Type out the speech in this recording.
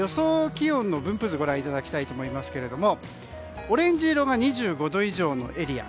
気温の分布図をご覧いただきたいと思いますけどオレンジ色が２５度以上のエリア